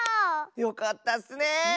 よかったッスね！